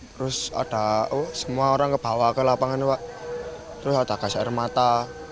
terus ada semua orang ke bawah ke lapangan terus ada gas air mata